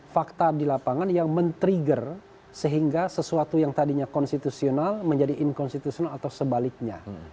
fakta di lapangan yang men trigger sehingga sesuatu yang tadinya konstitusional menjadi inkonstitusional atau sebaliknya